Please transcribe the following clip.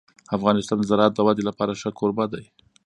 افغانستان د زراعت د ودې لپاره ښه کوربه دی.